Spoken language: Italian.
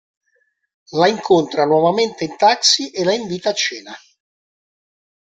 La incontra nuovamente in taxi e la invita a cena.